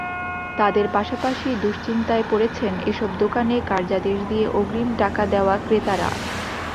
তাঁদের পাশাপাশি দুশ্চিন্তায় পড়েছেন এসব দোকানে কার্যাদেশ দিয়ে অগ্রিম টাকা দেওয়া ক্রেতারা।